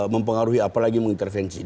mempengaruhi apalagi mengintervensi